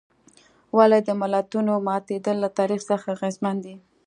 ولې د ملتونو ماتېدل له تاریخ څخه اغېزمن دي.